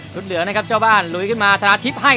รุ่นเหลือนะครับเจ้าบ้านลุยขึ้นมาทะทะทิบให้